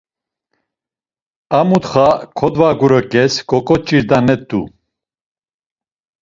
A mutxa kodvagureǩes ǩoǩoǩç̌irdanet̆u.